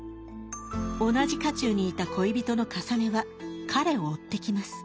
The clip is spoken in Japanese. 同じ家中にいた恋人のかさねは彼を追ってきます。